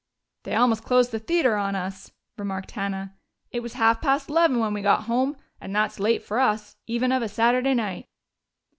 "They almost closed the theater on us," remarked Hannah. "It was half past eleven when we got home, and that's late for us, even of a Saturday night."